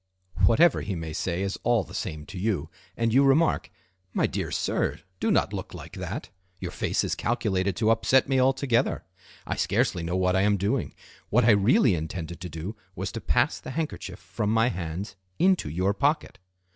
Whatever he may say is all the same to you, and you remark:—"My dear sir, do not look like that; your face is calculated to upset me altogether. I scarcely know what I am doing. What I really intended to do was to pass the handkerchief from my hands into your pocket."